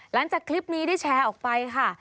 หลังจากคลิปนี้ได้แชร์ออกไปค่ะ